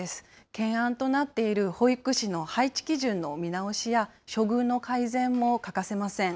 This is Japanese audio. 懸案となっている保育士の配置基準の見直しや、処遇の改善も欠かせません。